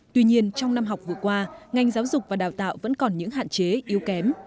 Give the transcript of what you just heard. tuy nhiên trong năm học vừa qua ngành giáo dục và đào tạo vẫn còn những hạn chế yếu kém